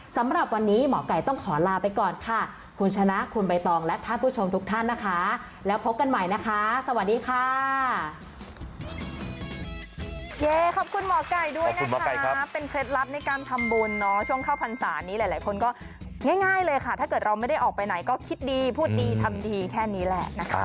สำหรับวันนี้หมอไก่ต้องขอลาไปก่อนค่ะคุณชนะคุณใบตองและท่านผู้ชมทุกท่านนะคะแล้วพบกันใหม่นะคะสวัสดีค่ะ